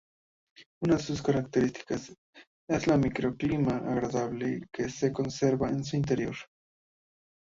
Una de sus características es el microclima agradable que se conserva en su interior.